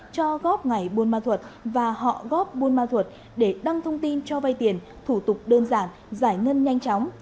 cho góp ngày bôn man thuật và họ góp bôn man thuật để đăng thông tin cho vay tiền thủ tục đơn giản giải ngân nhanh chóng